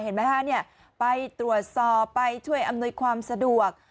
เห็นไหมฮะไปตรวจสอบไปช่วยอำนวยความสะดวก